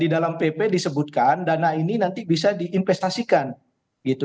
di dalam pp disebutkan dana ini nanti bisa diinvestasikan gitu